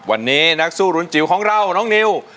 วันนี้นักสู้รุนจิ๋วของเราน้องนิว